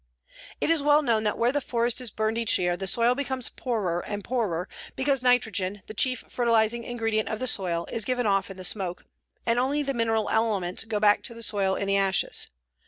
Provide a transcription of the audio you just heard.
"It is well known that where the forest is burned each year the soil becomes poorer and poorer, because nitrogen, the chief fertilizing ingredient of the soil, is given off in the smoke, and only the mineral elements go back to the soil in the ashes.